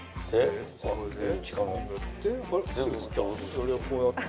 それでこうやって？